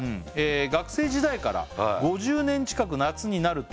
「学生時代から５０年近く夏になると」